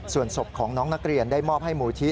ส่วนศพของน้องนักเรียนได้มอบให้มูลที่